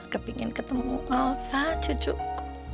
kepingin ketemu alva cucuku